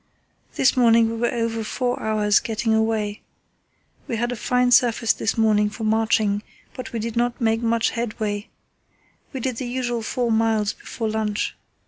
This morning we were over four hours' getting away. We had a fine surface this morning for marching, but we did not make much headway. We did the usual four miles before lunch.